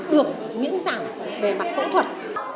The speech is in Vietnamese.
được miễn giảm về mặt phẫu thuật